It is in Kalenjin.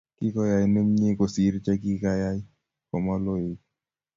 Kigoyei nemnyei kosiir chekigayei komaloit